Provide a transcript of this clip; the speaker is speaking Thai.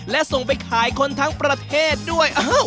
และส่งไปขายคนทั้งประเทศด้วย